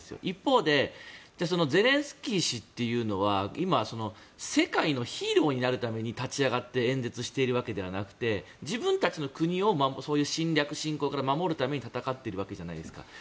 一方でゼレンスキー氏というのは今、世界のヒーローになるために立ち上がって演説しているわけではなくて自分たちの国をそういう侵略、侵攻から守るために戦っているわけじゃないですか。